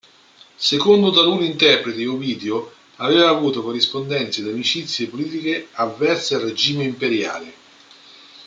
Secondo taluni interpreti Ovidio aveva avuto corrispondenze e amicizie politiche avverse al regime imperiale.